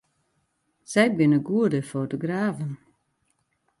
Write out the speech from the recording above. Sy binne goede fotografen.